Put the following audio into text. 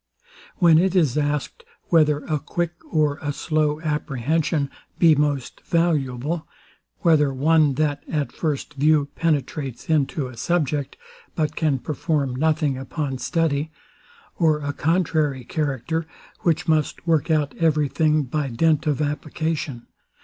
When it is asked, whether a quick or a slow apprehension be most valuable? whether one, that at first view penetrates into a subject, but can perform nothing upon study; or a contrary character, which must work out every thing by dint of application?